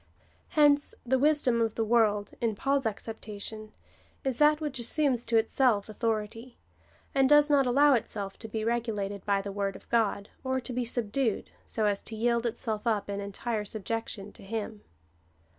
^ Hence the wisdom of the world, in Paul's acceptation, is that which assumes to itself authority, and does not allow itself to be regulated by the word of God, or to be subdued, so as to yield itself up in entire subjection to him.